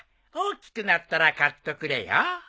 大きくなったら買っとくれよ。